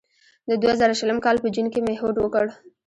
د دوه زره شلم کال په جون کې مې هوډ وکړ.